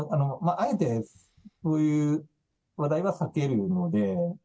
あえてそういう話題は避けるので。